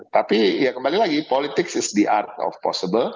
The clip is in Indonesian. tapi ya kembali lagi politik adalah kebiasaan yang mungkin